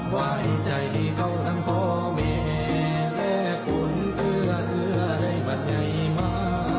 ไว้ใจที่เขาทั้งพ่อแม่แค่คุณเพื่อเพื่อให้มันใหญ่มา